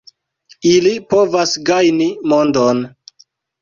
Ili povas gajni mondon.